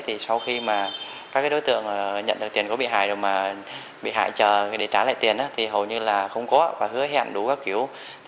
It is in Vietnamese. thì sau khi mà các đối tượng nhận được tiền có bị hại rồi mà bị hại chờ để trả lại tiền thì hầu như là không có và hứa hẹn đủ các kiểu